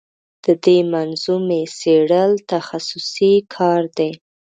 د دې منظومې څېړل تخصصي کار دی.